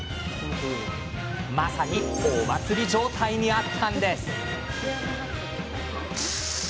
まさにお祭り状態にあったんです。